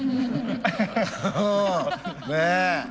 ねえ。